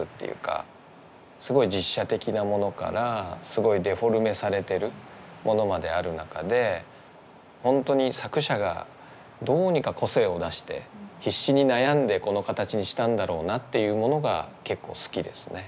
すごい実写的なものからすごいデフォルメされてるものまである中で本当に作者がどうにか個性を出して必死に悩んでこの形にしたんだろうなっていうものが結構好きですね。